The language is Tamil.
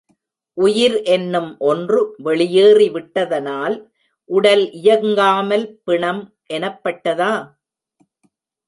உயிர் என்னும் ஒன்று வெளியேறி விட்டதனால் உடல் இயங்காமல் பிணம் எனப்பட்டதா?